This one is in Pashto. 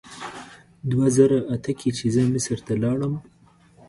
دوه زره اته کې چې مصر ته لاړم.